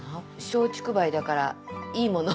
松竹梅だからいいもの。